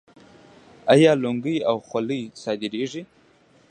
آیا لونګۍ او خولۍ صادریږي؟